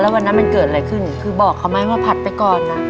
วันนั้นมันเกิดอะไรขึ้นคือบอกเขาไหมว่าผัดไปก่อนนะ